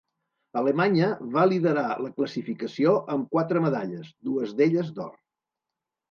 Alemanya va liderar la classificació amb quatre medalles, dues d'elles, d'or.